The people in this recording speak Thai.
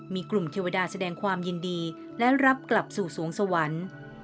มีกลุ่มเทวดาแสดงความยินดีและรับกลับสู่สวงสวรรค์